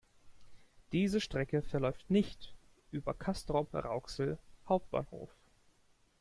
Diese Strecke verläuft nicht über Castrop-Rauxel Hauptbahnhof.